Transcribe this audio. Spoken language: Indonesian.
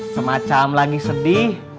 semacam lagi sedih